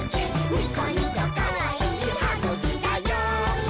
ニコニコかわいいはぐきだよ！」